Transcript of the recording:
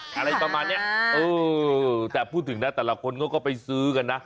อะไรประมาณเนี้ยเออแต่พูดถึงนะแต่ละคนเขาก็ไปซื้อกันนะ